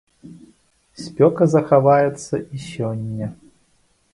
Спёка захаваецца і сёння.